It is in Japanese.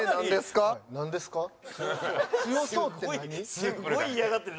すごい嫌がってる。